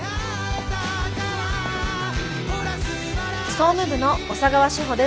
総務部の小佐川志穂です。